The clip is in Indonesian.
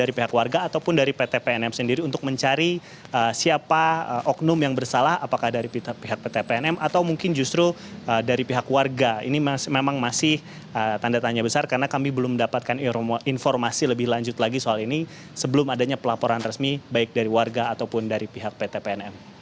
dari pihak warga ataupun dari pt pnm sendiri untuk mencari siapa oknum yang bersalah apakah dari pihak pt pnm atau mungkin justru dari pihak warga ini memang masih tanda tanya besar karena kami belum mendapatkan informasi lebih lanjut lagi soal ini sebelum adanya pelaporan resmi baik dari warga ataupun dari pihak pt pnm